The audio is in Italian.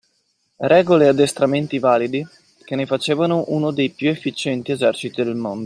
Regole e addestramenti validi che ne facevano uno dei più efficienti eserciti del mondo.